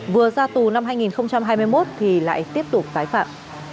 vừa ra tù năm hai nghìn hai mươi một thì lại tiếp tục tái phạm